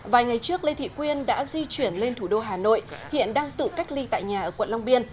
vài ngày trước lê thị quyên đã di chuyển lên thủ đô hà nội hiện đang tự cách ly tại nhà ở quận long biên